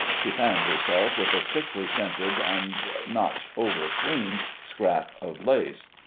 She fanned herself with a sickly scented and not over clean scrap of lace.